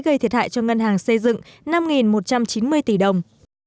gây thiệt hại cho ngân hàng xây dựng năm một trăm chín mươi tỷ đồng